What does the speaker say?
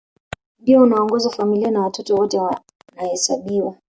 Ndio unaoongoza familia na watoto wote wanahesabiwa